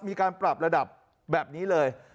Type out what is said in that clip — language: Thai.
มีการปรับระดับแบบนี้เลย